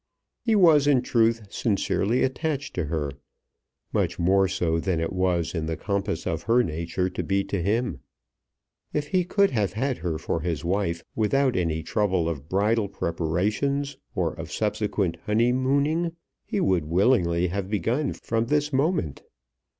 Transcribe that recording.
He was in truth sincerely attached to her; much more so than it was in the compass of her nature to be to him. If he could have had her for his wife without any trouble of bridal preparations, or of subsequent honeymooning, he would most willingly have begun from this moment.